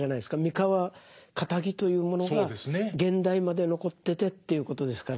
三河かたぎというものが現代まで残っててということですから。